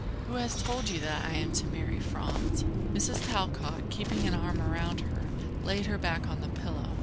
Who has told you that I am to marry Franz?" Mrs. Talcott, keeping an arm around her, laid her back on the pillow.